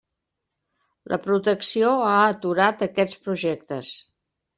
La protecció ha aturat aquests projectes.